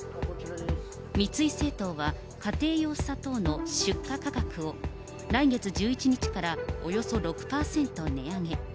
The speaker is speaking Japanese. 三井製糖は、家庭用砂糖の出荷価格を、来月１１日からおよそ６％値上げ。